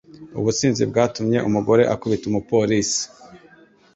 ubusinzi bwatumye umugore akubita umupolisi